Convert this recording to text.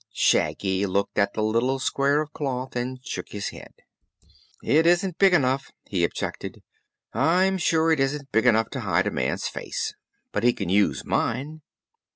Shaggy looked at the little square of cloth and shook his head. "It isn't big enough," he objected; "I'm sure it isn't big enough to hide a man's face. But he can use mine."